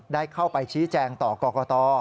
ได้เข้าไปชี้แจงต่อกรกต